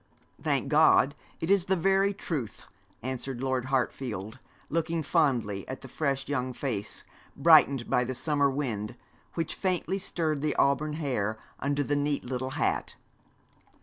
'Thank God, it is the very truth,' answered Lord Hartfield, looking fondly at the fresh young face, brightened by the summer wind, which faintly stirred the auburn hair under the neat little hat.